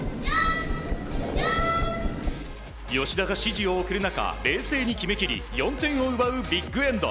吉田が指示を送る中冷静に決め切り４点を奪うビッグエンド。